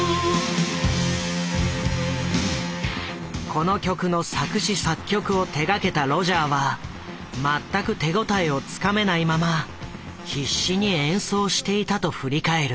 この曲の作詞作曲を手がけたロジャーは全く手応えをつかめないまま必死に演奏していたと振り返る。